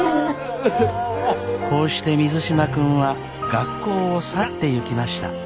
こうして水島君は学校を去っていきました。